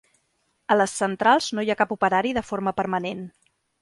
A les centrals no hi ha cap operari de forma permanent.